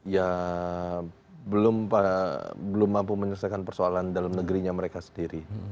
ya belum mampu menyelesaikan persoalan dalam negerinya mereka sendiri